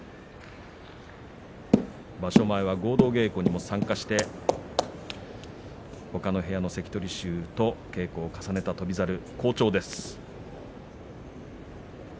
場所前は合同稽古にも参加してほかの部屋の関取衆と稽古を重ねた翔猿、好調です。